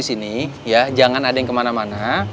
disini jangan ada yang kemana mana